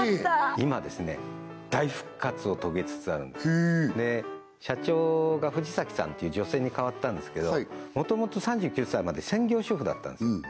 今大復活を遂げつつあるんです社長が藤さんっていう女性に代わったんですけどもともと３９歳まで専業主婦だったんです